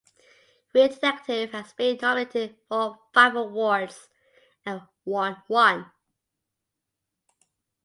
Real Detective has been nominated for five awards and won one.